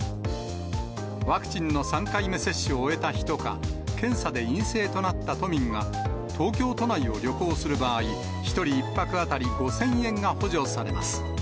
ワクチンの３回目接種を終えた人か、検査で陰性となった都民が、東京都内を旅行する場合、１人１泊当たり５０００円が補助されます。